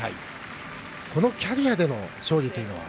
このキャリアでの勝利というのは？